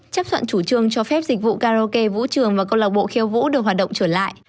chấp thuận chủ trương cho phép dịch vụ karaoke vũ trường và câu lạc bộ khiêu vũ được hoạt động trở lại